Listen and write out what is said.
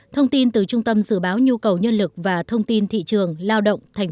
thông tin từ trung tâm dự báo nhu cầu nhân lực và thông tin thị trường lao động tp hcm